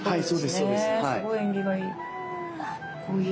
すごい縁起がいい。